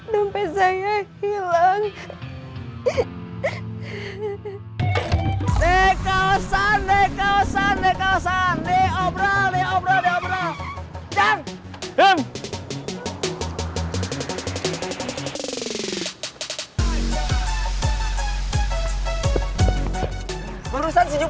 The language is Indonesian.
nampak dia nampak dia nampak dia nampak dia nampak dia nampak dia nampak dia nampak dia nampak